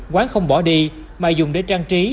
quán không bỏ đi mà dùng để trang trí